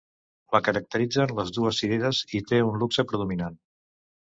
La caracteritzen les dues cireres i té un luxe predominant.